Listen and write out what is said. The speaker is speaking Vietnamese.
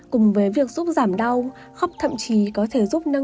cùng với việc giúp giảm đau khóc thậm chí có thể giúp giúp khó khăn